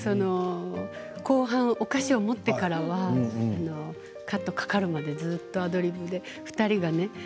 後半おかしを持ってからはカットかかるまでずっとアドリブで２人がね。